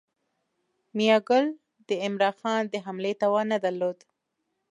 میاګل د عمرا خان د حملې توان نه درلود.